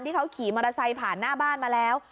ที่เขาขี่มอเตอร์ไซค์ผ่านหน้าบ้านมาแล้ว